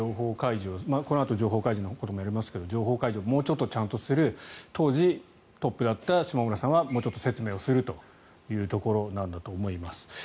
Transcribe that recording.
このあと情報開示のこともやりますが情報開示をもうちょっとちゃんとする当時、トップだった下村さんはもうちょっと説明をするというところなんだと思います。